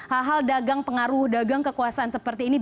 hal hal dagang pengaruh dagang kekuasaan seperti ini